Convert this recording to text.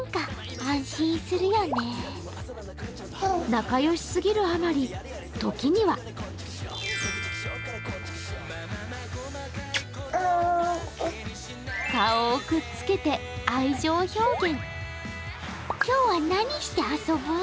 仲よしすぎるあまり、時には顔をくっつけて愛情表現。